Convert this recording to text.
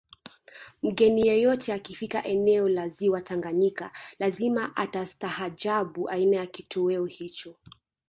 Mgeni yeyote akifika eneo la ziwa Tanganyika lazima atastahajabu aina ya kitoweo hicho